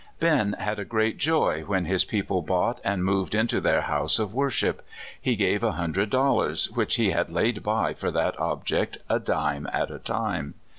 BEN. 109 Ben had a great joy when his people bought and moved into their house of worship. He gave a hundred dollars, which he had laid by for that object a dime at a time.